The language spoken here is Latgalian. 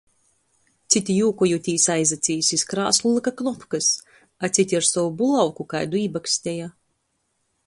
Cyti jūkojūtīs aizacīs iz krāslu lyka knopkys, a cyti ar sovu bulavku kaidu ībaksteja.